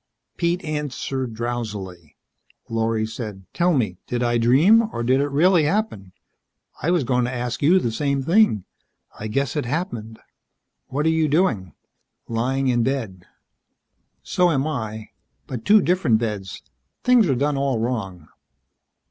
Pete answered drowsily. Lorry said, "Tell me did I dream, or did it really happen." "I was going to ask you the same thing. I guess it happened. What are you doing?" "Lying in bed." "So am I. But two different beds. Things are done all wrong."